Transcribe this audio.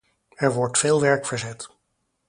Er wordt veel werk verzet.